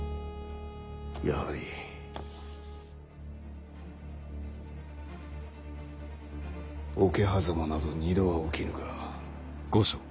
やはり桶狭間など二度は起きぬか。